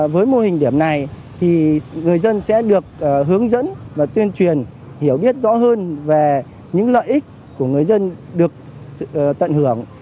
với mô hình điểm này thì người dân sẽ được hướng dẫn và tuyên truyền hiểu biết rõ hơn về những lợi ích của người dân được tận hưởng